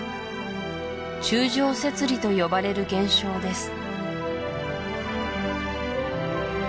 柱状節理と呼ばれる現象です